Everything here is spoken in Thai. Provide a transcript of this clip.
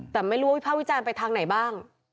แต่ไม่รู้ว่าวิภาควิจารณ์ไปทางไหนบ้าง